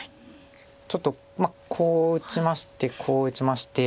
ちょっとこう打ちましてこう打ちまして。